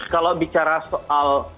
kalau bicara soal